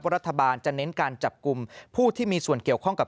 รัฐบาลจะเน้นการจับกลุ่มผู้ที่มีส่วนเกี่ยวข้องกับ